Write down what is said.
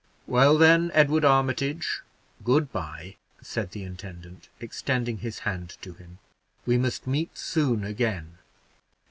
"Well, then, Edward Armitage, good by," said the intendant, extending his hand to him, "we must meet soon again."